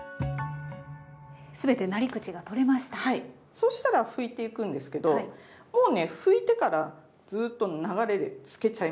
そしたら拭いていくんですけどもうね拭いてからずっと流れで漬けちゃいます。